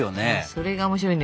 それが面白いのよ。